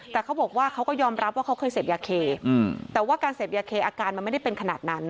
แต่เขาบอกว่าเขาก็ยอมรับว่าเขาเคยเสพยาเคแต่ว่าการเสพยาเคอาการมันไม่ได้เป็นขนาดนั้น